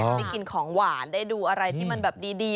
ได้กินของหวานได้ดูอะไรที่มันแบบดี